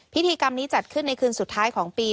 พิธีกรรมนี้จัดขึ้นในคืนสุดท้ายของปี